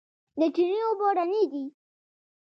د چينې اوبه رڼې دي.